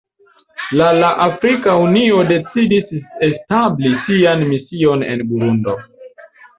La la Afrika Unio decidis establi sian mision en Burundo.